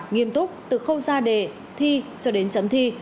nghiêm túc từ khâu ra đề thi cho đến chấm thi